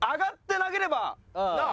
なあ？